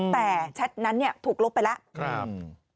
แต่แชทนั้นเนี่ยถูกลบไปแล้ว